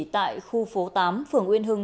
tại khu phố tám phường uyên hưng